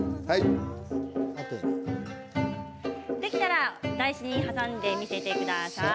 できたら台紙に挟んで見せてください。